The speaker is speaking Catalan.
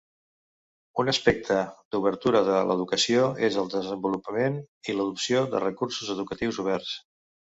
Un aspecte d'obertura de l'educació és el desenvolupament i l'adopció de recursos educatius oberts.